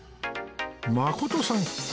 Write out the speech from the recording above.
まことさん